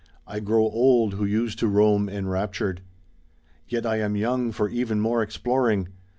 I grow old who used to roam enraptured. Yet I am young for even more exploring.